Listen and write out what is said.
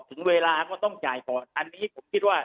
ถึงเวลาก็ต้องจ่ายก่อนอันนี้ผมคิดว่า